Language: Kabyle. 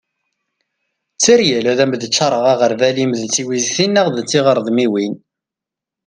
tteryel ad am-d-ččareγ aγerbal-im d tiwiztin neγ tiγredmiwin